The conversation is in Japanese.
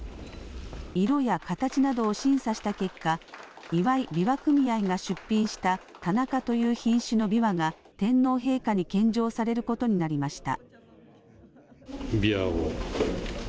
色や形などを審査した結果、岩井枇杷組合が出品した、田中という品種のびわが、天皇陛下に献上されることになりました。